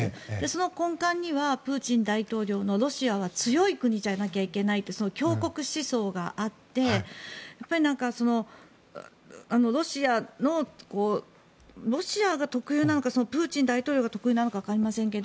その根幹にはプーチン大統領のロシアは強い国じゃなきゃいけないというその強国思想があってロシアが特有なのかプーチン大統領が特有なのかわかりませんが